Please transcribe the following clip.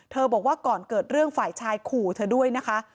บอกว่าก่อนเกิดเรื่องฝ่ายชายขู่เธอด้วยนะคะ